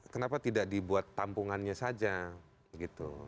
kenapa tidak dibuat tampungannya saja gitu